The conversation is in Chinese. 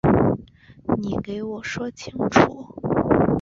你给我说清楚